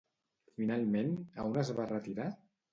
Finalment, a on es va retirar?